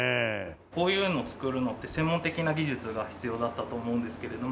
こういうの作るのって専門的な技術が必要だったと思うんですけれども。